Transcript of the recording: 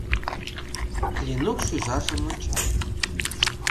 — Ленук шӱжаржым ончале.